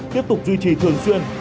tiếp tục duy trì thường xuyên